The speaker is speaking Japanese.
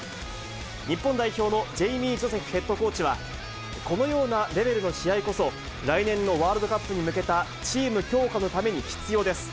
日本代表のジェイミー・ジョセフヘッドコーチは、このようなレベルの試合こそ、来年のワールドカップに向けたチーム強化のために必要です。